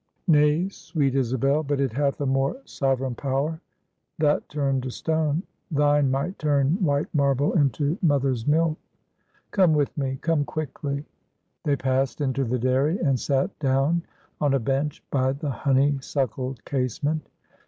"Nay, sweet Isabel; but it hath a more sovereign power; that turned to stone; thine might turn white marble into mother's milk." "Come with me come quickly." They passed into the dairy, and sat down on a bench by the honey suckled casement.